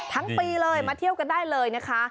ทั้งปีเลยมาเที่ยวกันได้เลยนะคะ